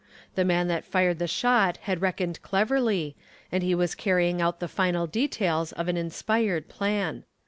The man that fired the shot had reckoned cleverly, and he was carrying out the final details of an inspired plan.